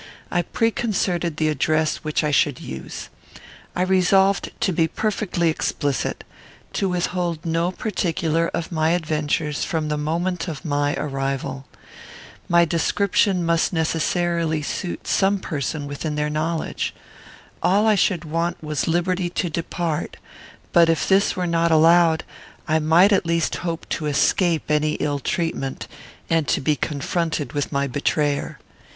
I preconcerted the address which I should use. I resolved to be perfectly explicit; to withhold no particular of my adventures from the moment of my arrival. My description must necessarily suit some person within their knowledge. All I should want was liberty to depart; but, if this were not allowed, I might at least hope to escape any ill treatment, and to be confronted with my betrayer.